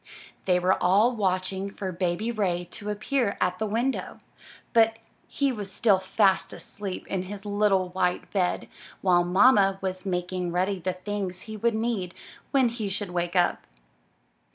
They were all watching for Baby Ray to appear at the window, but he was still fast asleep in his little white bed, while mamma was making ready the things he would need when he should wake up.